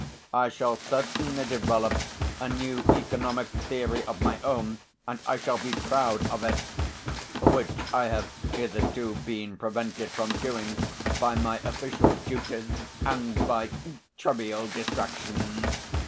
I shall certainly develop a new economic theory of my own and I shall be proud of it which I have hitherto been prevented from doing by my official duties and by trivial distractions.